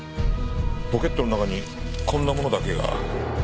ポケットの中にこんなものだけが。